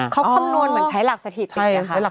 เขาคำนวณเหมือนใช้หลักสถิตินะคะ